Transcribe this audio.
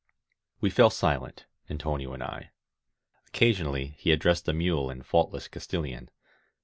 .•. We fell silent, Antonio and I. Occasionally he ad dressed the mule in faultless Castilian.